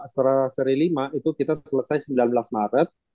setelah seri lima itu kita selesai sembilan belas maret